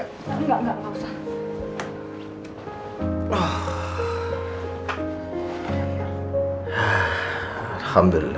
enggak enggak gak usah